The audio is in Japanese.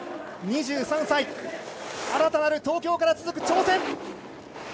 ２３歳、新たなる東京から続く挑戦。